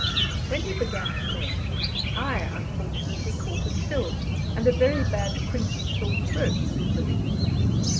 When he began to mend, I unfortunately caught a chill, and a very bad quinsy sore throat supervened.